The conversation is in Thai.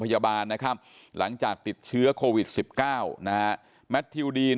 พยาบาลนะครับหลังจากติดเชื้อโควิด๑๙นะฮะแมททิวดีน